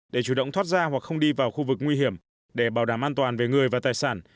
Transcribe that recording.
để chủ động thoát ra hoặc không đi vào khu vực nguy hiểm để bảo đảm an toàn về người và tài sản